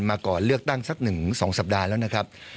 มาก่อนเลือกตั้งสัก๑๒สัปดาห์แล้วนะครับ